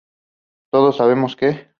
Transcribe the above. todos sabemos que